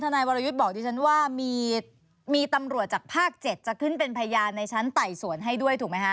นายวรยุทธ์บอกดิฉันว่ามีตำรวจจากภาค๗จะขึ้นเป็นพยานในชั้นไต่สวนให้ด้วยถูกไหมคะ